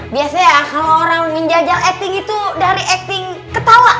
biasanya kalau orang menjajal acting itu dari acting ketawa